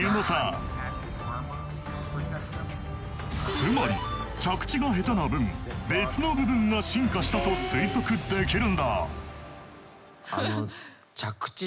つまり着地が下手な分別の部分が進化したと推測できるんだ。